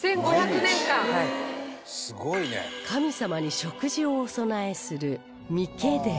神様に食事をお供えする御饌殿